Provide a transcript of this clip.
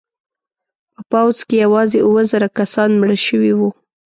په پوځ کې یوازې اوه زره کسان مړه شوي وو.